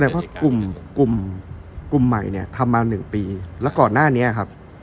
ว่ากลุ่มกลุ่มใหม่เนี่ยทำมา๑ปีแล้วก่อนหน้านี้ครับ